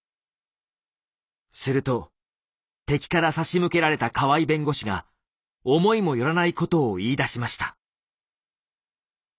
すると敵から差し向けられた河合弁護士が思いも寄らないことを言いだしました。